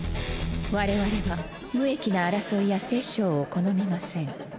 我々は無益な争いや殺生を好みません。